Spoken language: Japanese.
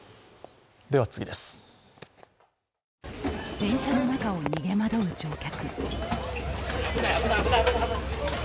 電車の中を逃げ惑う乗客。